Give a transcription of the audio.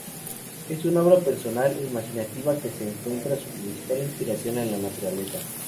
Es una obra personal e imaginativa que encuentra su principal inspiración en la naturaleza.